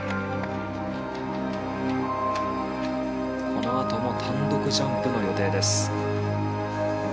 このあとも単独ジャンプの予定。